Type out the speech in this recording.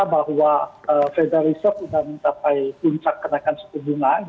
bahwa federal reserve sudah mencapai puncak kenaikan suku bunga